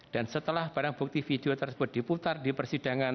dan setelah barang bukti video tersebut diputar di persidangan